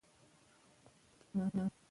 خپل اثار په نورو ژبو واړوئ.